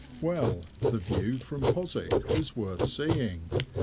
Well, the view from Postwick was worth seeing.